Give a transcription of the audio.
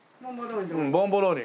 ボンボローニ。